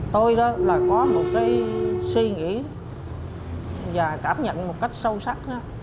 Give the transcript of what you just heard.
tôi là có một suy nghĩ và cảm nhận một cách sâu sắc